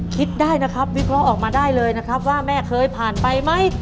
คิดได้นะครับวิเคราะห์ออกมาได้เลยนะครับว่าแม่เคยผ่านไปไหม